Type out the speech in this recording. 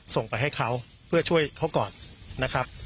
ส่งไปให้เขาเพื่อช่วยเขาก่อนนะครับ